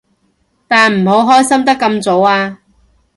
但唔好開心得咁早啊